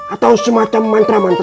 atau semacam mantra mantra